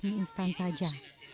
di instan saja